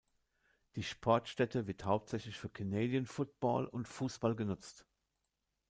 Die Sportstätte wird hauptsächlich für Canadian Football und Fußball genutzt.